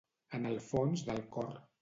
En el fons del cor.